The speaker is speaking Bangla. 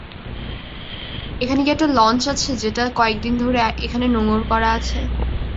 এখানে কি একটা লঞ্চ আছে যেটা কয়েকদিন ধরে এখানে নোঙ্গর করা আছে?